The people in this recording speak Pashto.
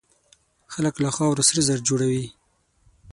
خلک له خاورو سره زر جوړوي.